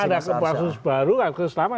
ada kasus baru kasus lama